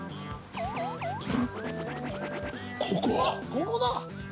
ここだ！